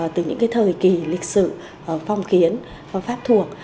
từ những thời kỳ lịch sử phong kiến pháp thuộc